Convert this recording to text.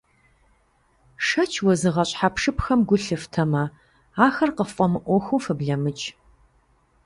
Шэч уэзыгъэщӀ хьэпшыпхэм гу лъыфтэмэ, ахэр къыффӀэмыӀуэхуу фыблэмыкӀ.